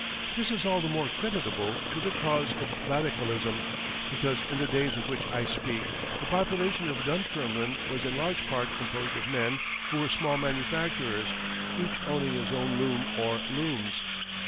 This is all the more creditable to the cause of radicalism because in the days of which I speak the population of Dunfermline was in large part composed of men who were small manufacturers, each owning his own loom or looms.